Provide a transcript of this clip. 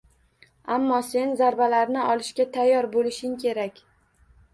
Ammo sen zarbalarni olishga tayyor bo’lishing kerak